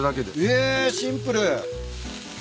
えシンプル。